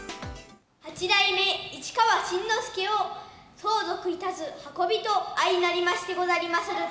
八代目市川新之助を相続いたす運びと相成りましてござりまする。